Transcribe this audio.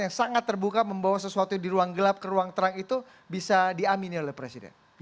yang sangat terbuka membawa sesuatu di ruang gelap ke ruang terang itu bisa diamini oleh presiden